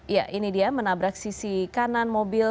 ya ini dia menabrak sisi kanan mobil